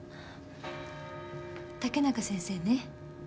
竹中先生ね。